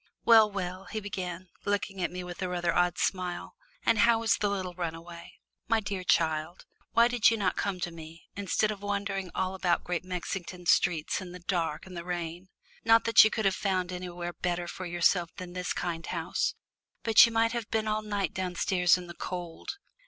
"Well, well," he began, looking at me with a rather odd smile, "and how is the little runaway? My dear child, why did you not come to me, instead of wandering all about Great Mexington streets in the dark and the rain? Not that you could have found anywhere better for yourself than this kind house, but you might have been all night downstairs in the cold!